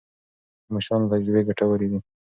د مشرانو تجربې ګټورې دي.